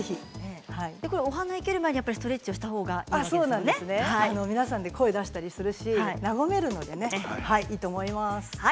お花生ける前にストレッチをしたほうが皆さんで声を出したりするし和めるのでいいと思います。